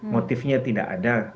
motifnya tidak ada